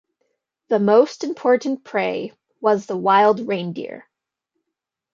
The most important prey was the wild reindeer.